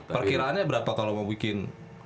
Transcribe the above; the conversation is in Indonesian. perkiraannya berapa kalau mau bikin